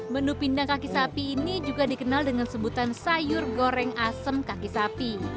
menu pindang kaki sapi ini juga dikenal dengan sebutan sayur goreng asem kaki sapi